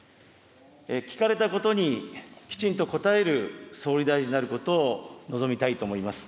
聞かれたことにきちんと答える総理大臣であることを望みたいと思います。